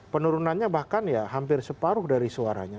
penurunannya bahkan ya hampir separuh dari suaranya